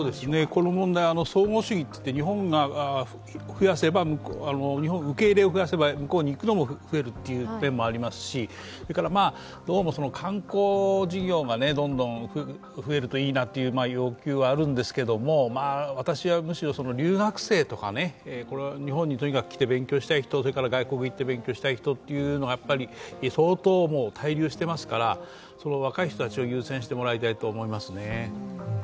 この問題、相互主義といって日本が受け入れを増やせば、向こうに行くのも増やすという面もありますしどうも観光事業がどんどん増えるといいなという要求はあるんですが私はむしろ留学生とか日本にとにかく来て勉強したい人、それから外国へ行って勉強したい人というのが相当滞留してますから、その若い人を優先してもらいたいと思います。